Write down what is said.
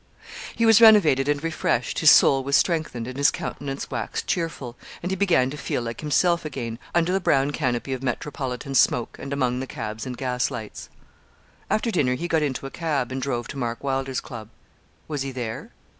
He was renovated and refreshed, his soul was strengthened, and his countenance waxed cheerful, and he began to feel like himself again, under the brown canopy of metropolitan smoke, and among the cabs and gaslights. After dinner he got into a cab, and drove to Mark Wylder's club. Was he there?